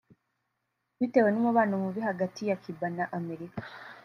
Bitewe n’umubano mubi hagati ya Cuba na Amerika